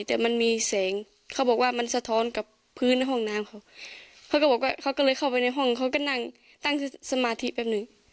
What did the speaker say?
แต่มันมีแสงเขาบอกว่ามันสะท้อนกับพื้นห้องน้ำเขาเขาก็บอกว่าเขาก็เลยเข้าไปในห้องเขาก็นั่งตั้งสมาธิแป๊บหนึ่ง